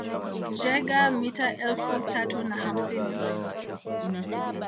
Jaeger mita elfu tatu na hamsini